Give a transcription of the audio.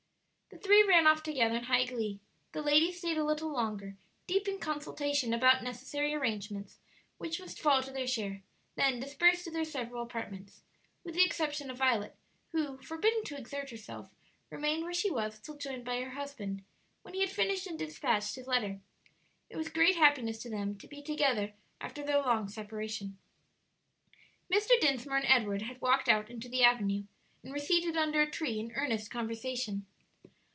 The three ran off together in high glee. The ladies stayed a little longer, deep in consultation about necessary arrangements which must fall to their share: then dispersed to their several apartments, with the exception of Violet, who, forbidden to exert herself, remained where she was till joined by her husband, when he had finished and despatched his letter. It was great happiness to them to be together after their long separation. Mr. Dinsmore and Edward had walked out into the avenue, and were seated under a tree in earnest conversation.